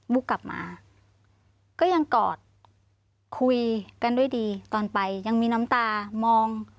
กลับมาก็ยังกอดคุยกันด้วยดีตอนไปยังมีน้ำตามอง